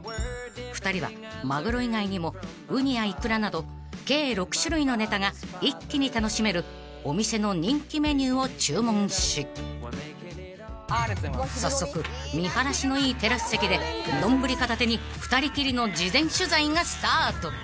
［２人はマグロ以外にもウニやイクラなど計６種類のネタが一気に楽しめるお店の人気メニューを注文し早速見晴らしのいいテラス席で丼片手に２人きりの事前取材がスタート］